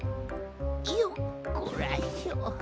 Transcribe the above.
よっこらしょ。